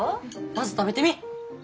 まず食べてみー。